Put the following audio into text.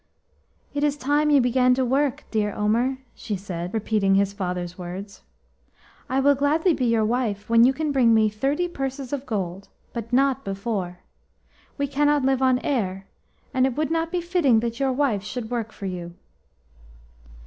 T is time you began to work, dear Omer," she said, repeating his father's words, "I will gladly be your wife when you can bring me thirty purses of gold, but not before. We cannot live on air, and it would not be fitting that your wife should work for you."